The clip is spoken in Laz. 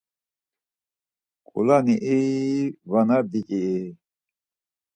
Ǩulanii vana biç̌ii?